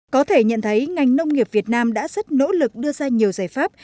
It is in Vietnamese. có thể nhận thấy ngành nông nghiệp việt nam đã rất nỗ lực đưa ra nhiều giải pháp